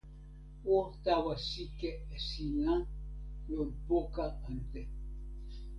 o tawa sike e sina lon poka ante.